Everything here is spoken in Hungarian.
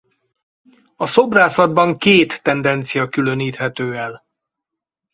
A szobrászatban két tendencia különíthető el.